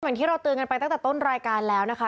อย่างที่เราเตือนกันไปตั้งแต่ต้นรายการแล้วนะคะ